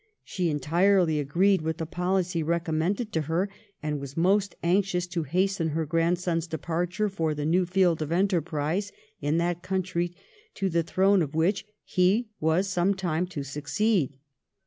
She entirely agreed with the policy recommended to her, and was most anxious to hasten her grandson's departure for the new field of enterprise in that country to the throne of which he was some time to succeed.